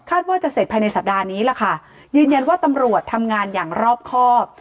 ว่าจะเสร็จภายในสัปดาห์นี้ล่ะค่ะยืนยันว่าตำรวจทำงานอย่างรอบครอบ